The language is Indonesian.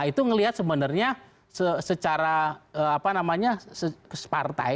itu melihat sebenarnya secara partai